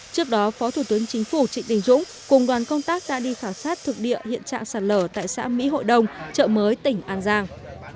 trước đó phó thủ tướng chính phủ trịnh đình dũng cùng đoàn công tác đã đi khảo sát thực địa hiện trạng sạt lở tại xã mỹ hội đồng chợ mới tỉnh an giang